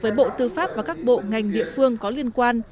với bộ tư pháp và các bộ ngành địa phương có liên quan